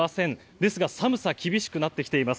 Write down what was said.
ですが寒さ厳しくなってきています。